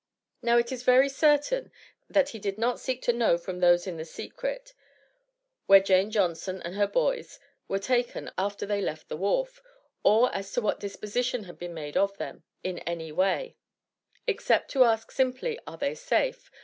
Now it is very certain, that he did not seek to know from those in the secret, where Jane Johnson and her boys were taken after they left the wharf, or as to what disposition had been made of them, in any way; except to ask simply, "are they safe?"